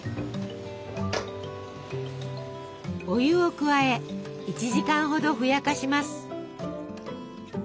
お湯を加え１時間ほどふやかします。